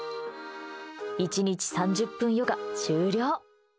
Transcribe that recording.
１日３０分ヨガ、終了。